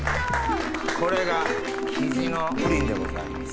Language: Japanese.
これがキジのプリンでございます。